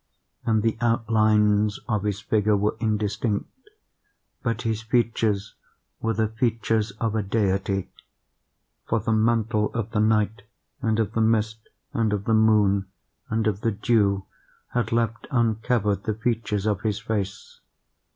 And the outlines of his figure were indistinct—but his features were the features of a deity; for the mantle of the night, and of the mist, and of the moon, and of the dew, had left uncovered the features of his face.